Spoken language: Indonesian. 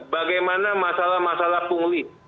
bagaimana masalah masalah pungli